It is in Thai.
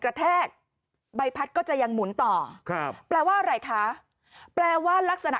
แทกใบพัดก็จะยังหมุนต่อครับแปลว่าอะไรคะแปลว่ารักษณะ